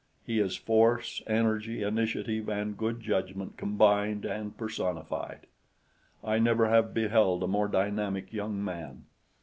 He is force, energy, initiative and good judgment combined and personified. I never have beheld a more dynamic young man.